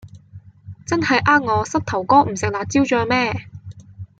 真係呃我膝頭哥唔食辣椒醬咩